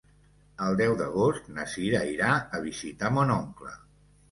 El deu d'agost na Cira irà a visitar mon oncle.